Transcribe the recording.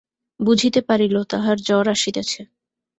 বুঝিতে পারিল তাহার জ্বর আসিতেছে।